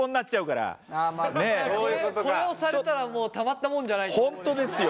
これをされたらたまったもんじゃないってことですね。